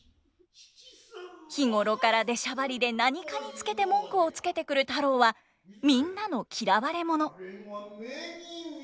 日頃から出しゃばりで何かにつけて文句をつけてくる太郎はみんなの嫌われ者。